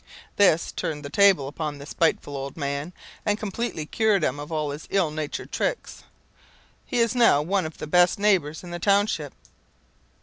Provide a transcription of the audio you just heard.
'" This turned the tables upon the spiteful old man, and completely cured him of all his ill natured tricks. He is now one of the best neighbours in the township.